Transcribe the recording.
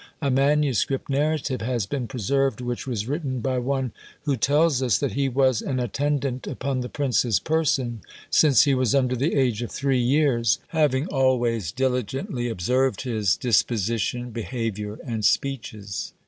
A manuscript narrative has been preserved, which was written by one who tells us, that he was "an attendant upon the prince's person since he was under the age of three years, having always diligently observed his disposition, behaviour, and speeches."